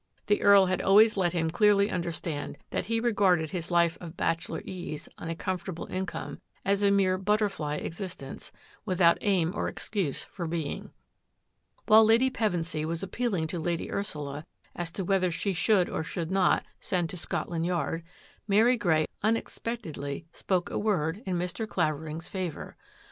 The Earl had always let him clearly understand that he regarded his life of bachelor ease on a comfortable income as a mere butterfly existence, without aim or excuse for being. While Lady Pevensy was appealing to Lady Ursula as to whether she should or should not send to Scotland Yard, Mary Grey unexpectedly spoke a word in Mr. Clavering^s favour.